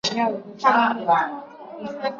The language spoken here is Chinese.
毗邻的多明我会圣伯多禄堂最近已经拆除。